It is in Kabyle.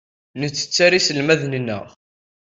Nettetter iselmaden-nneɣ.